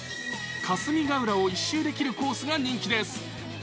霞ヶ浦を一周できるコースが人気です。